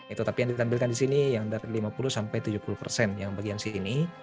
itu tapi yang ditampilkan di sini yang dari lima puluh sampai tujuh puluh persen yang bagian sini